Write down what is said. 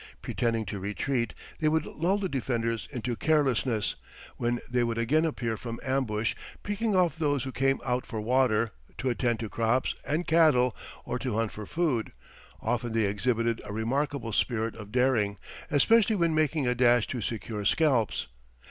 Pretending to retreat, they would lull the defenders into carelessness, when they would again appear from ambush, picking off those who came out for water, to attend to crops and cattle, or to hunt for food; often they exhibited a remarkable spirit of daring, especially when making a dash to secure scalps.